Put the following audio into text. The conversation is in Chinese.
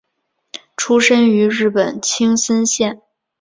出身于日本青森县。